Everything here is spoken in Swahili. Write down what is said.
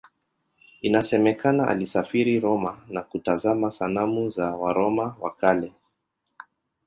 Inasemekana alisafiri Roma na kutazama sanamu za Waroma wa Kale.